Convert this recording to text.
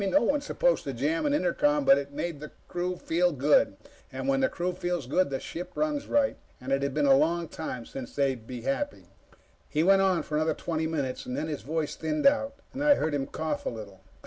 No one's supposed to jam an intercom, but it made the crew feel good. When the crew feels good, the ship runs right, and it had been a long time since they'd been happy. He went on for another twenty minutes. Then his voice thinned out, and I heard him cough a little.